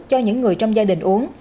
cho những người trong gia đình uống